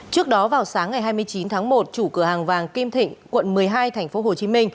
trước đó vào sáng ngày hai mươi chín tháng một chủ cửa hàng vàng kim thịnh quận một mươi hai tp hcm